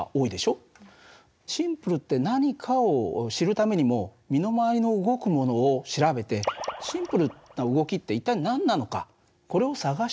シンプルって何かを知るためにも身の回りの動くものを調べてシンプルな動きって一体何なのかこれを探してみたらどうかな？